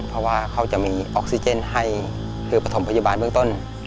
เพราะว่าเขาจะมีออกซิเจนให้คือประถมพยาบาลเบื้องต้น